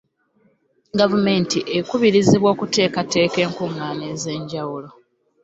Gavumenti ekubirizibwa okuteekateeka enkuŋŋaana ez’enjawulo.